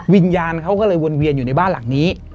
วิญญาณเขาก็เลยวนเวียนอยู่ในบ้านหลังนี้